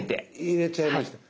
入れちゃいました。